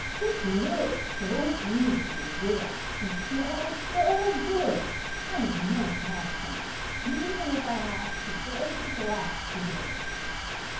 It looks so easy to get at and smells so good, I must have some, even if I have to break the glass to get at it."